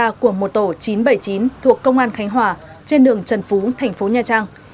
tổ chín trăm bảy mươi chín của một tổ chín trăm bảy mươi chín thuộc công an khánh hòa trên đường trần phú thành phố nha trang